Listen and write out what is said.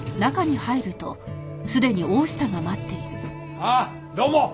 ああどうも！